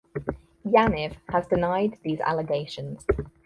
Yaniv has denied these allegations.